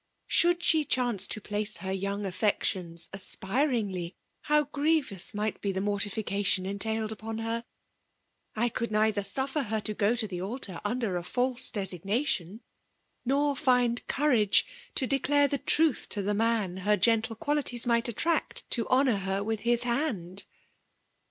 Should alie ehance to jdace her young affections aspiringly, how grievous might be the mortification en tailed upon her 1 I could neither i^ffisr her to^ go to the altar under a false designation; no^ \find courage to declare the truth to the maa her gentle qualities might attract to honour her with his hand